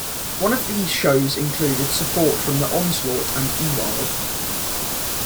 One of these shows included support from Onslaught and Evile.